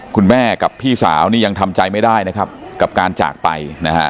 คุณแม่กับพี่สาวนี่ยังทำใจไม่ได้นะครับกับการจากไปนะฮะ